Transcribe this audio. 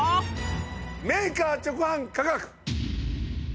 メーカー直販価格。